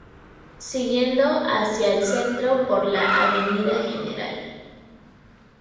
Siguiendo hacia el centro por la Avda. Gral.